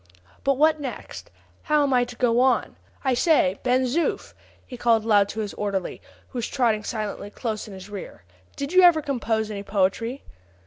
But what next? how am I to go on? I say, Ben Zoof," he called aloud to his orderly, who was trotting silently close in his rear, "did you ever compose any poetry?"